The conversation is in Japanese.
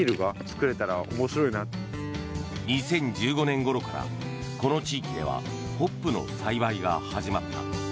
２０１５年ごろからこの地域ではホップの栽培が始まった。